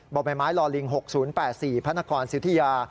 บ่อไม้ไม้ลอลิง๖๐๘๔พศิษยา